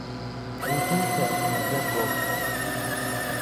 Bichim cheat no tiö ko.